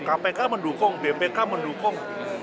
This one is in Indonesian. kpk mendukung bpk mendukung